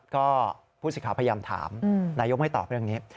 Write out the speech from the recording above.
ก็ผู้สิทธิ์พยายามถามนายกไม่ตอบเรื่องนี้